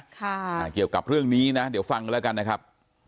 เกี่ยวกับเรื่องนี้นะเดี๋ยวฟังแล้วกันนะครับ